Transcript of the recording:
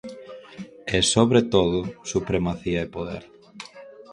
E, sobre todo, supremacía e poder.